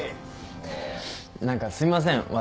何かすいません。